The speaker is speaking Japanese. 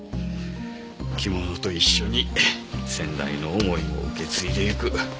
着物と一緒に先代の思いも受け継いでいく。